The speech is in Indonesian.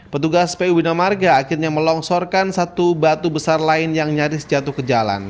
petugas pu bina marga akhirnya melongsorkan satu batu besar lain yang nyaris jatuh ke jalan